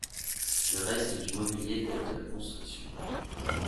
Le reste du mobilier date de la construction.